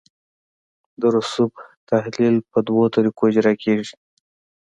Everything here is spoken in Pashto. د رسوب تحلیل په دوه طریقو اجرا کیږي